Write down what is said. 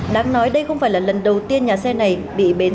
đáng nói đây không phải là lần đầu tiên nhà xe này bị bến